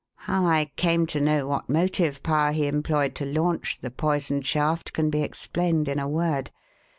How I came to know what motive power he employed to launch the poisoned shaft can be explained in a word.